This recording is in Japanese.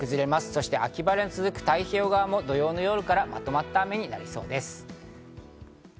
そして秋晴れが続く太平洋側も土曜の夜からまとまった雨になりそうです。